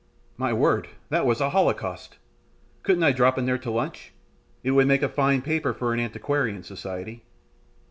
"My word, that was a holocaust! Couldn't I drop in there to lunch? It would make a fine paper for an antiquarian society."